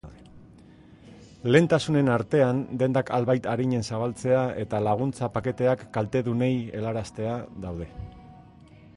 Lehentasunen artean, dendak albait arinen zabaltzea eta laguntza paketeak kaltedunei helaraztea daude.